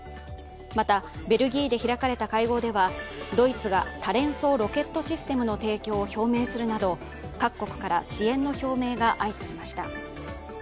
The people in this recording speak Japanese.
また、ベルギーで開かれた会合ではドイツが多連装ロケットシステムの提供を表明するなど各国から支援の表明が相次ぎました。